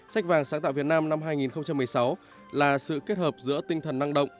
sách vàng sáng tạo việt nam năm hai nghìn một mươi sáu là sự kết hợp giữa tinh thần năng động